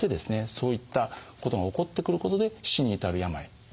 そういったことが起こってくることで死に至る病にもなる。